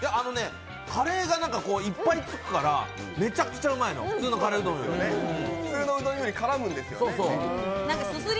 カレーがいっぱいつくから、めちゃくちゃうまいの、普通のカレーうどんより。